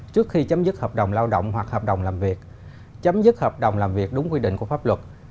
trước khi chấm dứt hợp đồng lao động hoặc hợp đồng làm việc chấm dứt hợp đồng làm việc đúng quy định của pháp luật